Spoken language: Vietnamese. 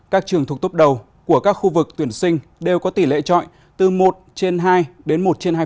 các trường thuộc tốp đầu của các khu vực tuyển sinh đều có tỷ lệ trọi từ một trên hai đến một trên hai mươi